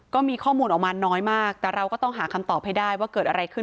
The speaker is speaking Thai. ก็มีข้อมูลออกมาน้อยมากแต่เราก็ต้องหาคำตอบให้ได้ว่าเกิดอะไรขึ้น